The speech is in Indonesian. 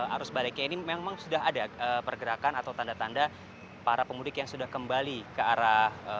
arus baliknya ini memang sudah ada pergerakan atau tanda tanda para pemudik yang sudah kembali ke arah